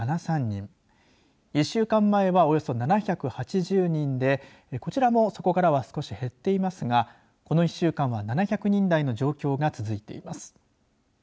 １週間前はおよそ７８０人でこちらもそこから少し減っていますがこの１週間は７００人台の状況が続いています。